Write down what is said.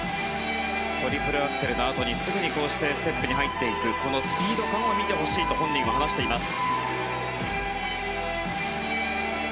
トリプルアクセルのあとにすぐにステップに入っていくスピードを見てほしいと本人も話しています。